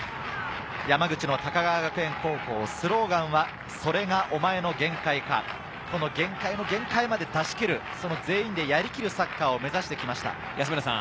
山口の高川学園高校、スローガンは「それがおまえの限界か？」、その限界の限界まで出し切る、全員でやりきるサッカーを目指してきました。